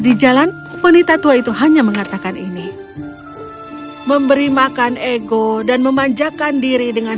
di jalan wanita tua itu hanya mengatakan ini memberi makan ego dan memanjakan diri dengan